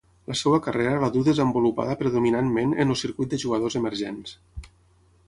La seua carrera la duu desenvolupada predominantment en el circuit de jugadors emergents.